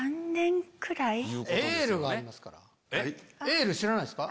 『エール』知らないですか？